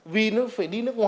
vì nó phải đi nước ngoài